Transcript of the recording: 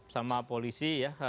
sama polisi ya